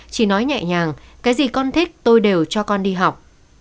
chỉ nói nhẹ nhàng cái gì con thích tôi đều cho con đi học